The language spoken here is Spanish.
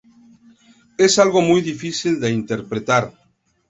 Es algo muy difícil de interpretar.